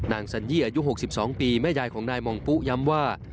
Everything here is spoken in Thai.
สัญญี่อายุ๖๒ปีแม่ยายของนายมองปุ๊ย้ำว่า